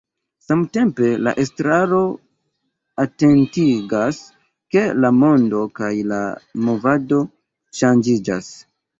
Samtempe la estraro atentigas, ke la mondo kaj la movado ŝanĝiĝas.